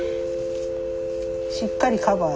しっかりカバー。